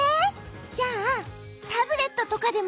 じゃあタブレットとかでも？